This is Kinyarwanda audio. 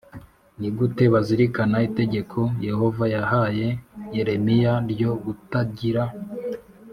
ni gute bazirikana itegeko Yehova yahaye Yeremiya ryo kutagira